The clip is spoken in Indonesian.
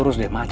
aku suka banget